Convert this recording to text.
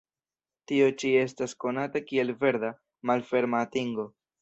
Tio ĉi estas konata kiel 'verda' malferma atingo.